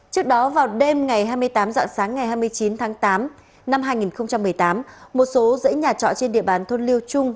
trước đó vào đêm ngày hai mươi tám dạng sáng ngày hai mươi chín tháng tám năm hai nghìn một mươi tám một số dãy nhà trọ trên địa bàn thôn liêu trung